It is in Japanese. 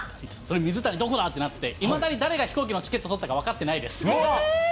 水谷どこだってなって、いまだに誰が飛行機のチケット取ったか、分かってないです。